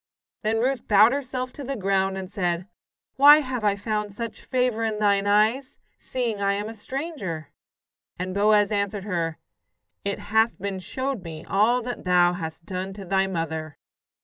Then Ruth bowed herself to the ground, and said: "Why have I found such favour in thine eyes, seeing I am a stranger?" And Boaz answered her: "It hath been showed me all that thou hast done to thy mother."